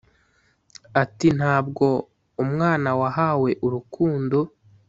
Ati “Ntabwo umwana wahawe urukundo